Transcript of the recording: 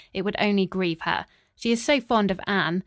It would only grieve her. She is so fond of Anne.